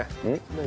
何？